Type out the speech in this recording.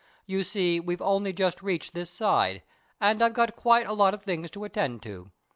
You see we've only just reached this side, and I've got quite a lot of things to attend to.